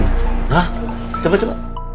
gitu yang udah gimana tuh